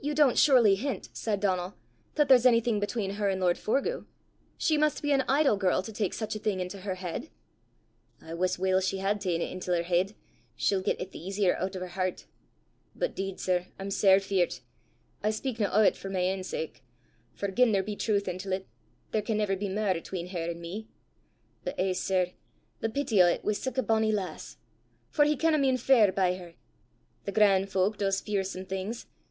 "You don't surely hint," said Donal, "that there's anything between her and lord Forgue? She must be an idle girl to take such a thing into her head!" "I wuss weel she hae ta'en 't intil her heid! she'd get it the easier oot o' her hert! But 'deed, sir, I'm sair feart! I speakna o' 't for my ain sake; for gien there be trowth intil 't, there can never be mair 'atween her and me! But, eh, sir, the peety o' 't wi' sic a bonnie lass! for he canna mean fair by her! Thae gran' fowk does fearsome things!